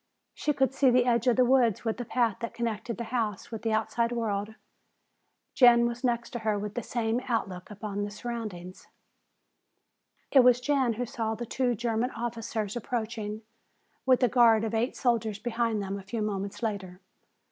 She could see the edge of the woods with the path that connected the house with the outside world. Jan was next her with the same outlook upon the surroundings. It was Jan who saw the two German officers approaching with a guard of eight soldiers behind them a few moments later.